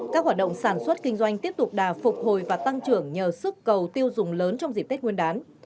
các hoạt động sản xuất kinh doanh tiếp tục đà phục hồi và tăng trưởng nhờ sức cầu tiêu dùng lớn trong dịp tết nguyên đán